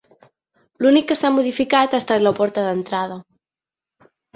L'únic que s'ha modificat ha estat la porta d'entrada.